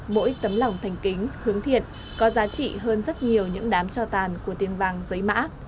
mỗi tấm lòng thành kính hướng thiện có giá trị hơn rất nhiều những đám cho tàn của tiền vàng giấy mã